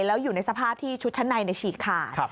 แล้วอยู่ในสภาพที่ชุดชั้นในฉีกขาด